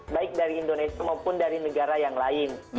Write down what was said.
baik dari indonesia maupun dari negara yang lain